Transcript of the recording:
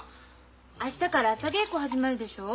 明日から朝稽古始まるでしょ。